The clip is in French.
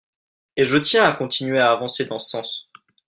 Et je tiens à continuer à avancer dans ce sens.